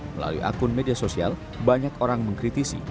melalui akun media sosial banyak orang mengkritisi